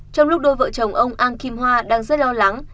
trong lúc đôi vợ chồng ông an kim hoa đang rất lo lắng